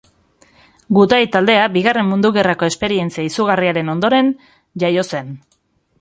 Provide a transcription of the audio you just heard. Gutai taldea Bigarren Mundu Gerrako esperientzia izugarriaren ondoren jaio zen.